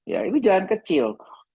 ya ini jalan kecil